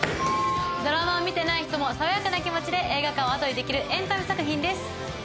ドラマを見てない人も爽やかな気持ちで映画館を後にできるエンタメ作品です。